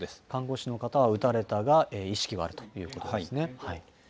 看護師の方は撃たれたが、意識はあるということですね。